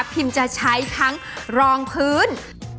จะใช้ทั้งรองพื้น